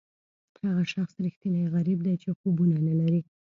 هغه شخص ریښتینی غریب دی چې خوبونه نه لري.